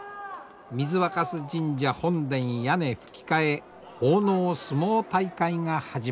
水若酢神社本殿屋根ふき替え奉納相撲大会が始まります。